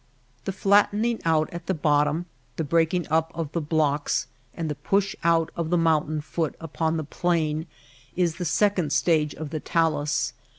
The flat tening out at the bottom, the breaking up of the blocks, and the push out of the mountain foot upon the plain is the second stage of the talus.